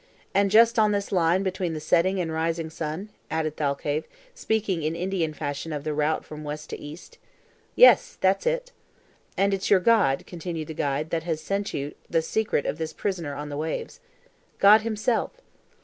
"And just on this line between the setting and rising sun?" added Thalcave, speaking in Indian fashion of the route from west to east. "Yes, yes, that's it." "And it's your God," continued the guide, "that has sent you the secret of this prisoner on the waves." "God himself."